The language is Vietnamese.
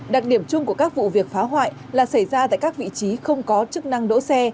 đặc điểm chung của các vụ việc phá hoại là xảy ra tại các vị trí không có chức năng đỗ xe